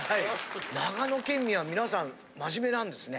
長野県民は皆さん真面目なんですね。